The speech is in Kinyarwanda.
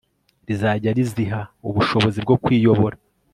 rizajya riziha ubushobozi bwo kwiyobora